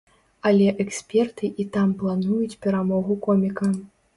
Але эксперты і там плануюць перамогу коміка.